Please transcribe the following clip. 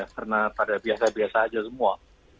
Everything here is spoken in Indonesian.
karena pada biasa biasa aja semua